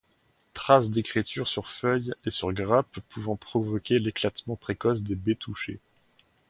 Traces d'écriture sur feuilles et sur grappes pouvant provoquer l'éclatement précoce des baies touchées.